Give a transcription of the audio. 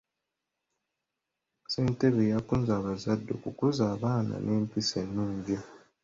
Ssentebe yakunze abazadde okukuza abaana n'empisa ennungi.